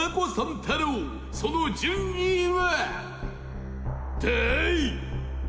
太郎その順位は？